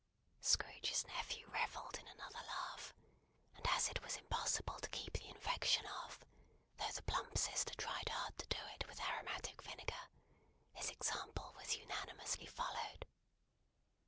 Scrooge's nephew revelled in another laugh, and as it was impossible to keep the infection off; though the plump sister tried hard to do it with aromatic vinegar; his example was unanimously followed.